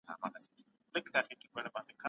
په هر کار کي زیاتی کول یو ډول لیونتوب دی.